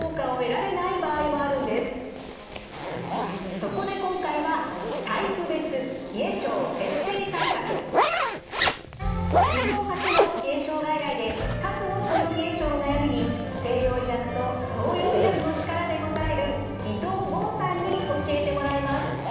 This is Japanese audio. そこで今回は日本初の冷え症外来で数多くの冷え症の悩みに西洋医学と東洋医学の力で答える伊藤剛さんに教えてもらいます。